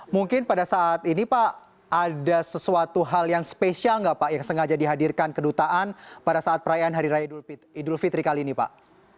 mungkin pada saat ini pak ada sesuatu hal yang spesial nggak pak yang sengaja dihadirkan kedutaan pada saat perayaan hari raya idul fitri kali ini pak